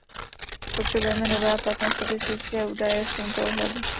Potřebujeme nové a platné statistické údaje v tomto ohledu.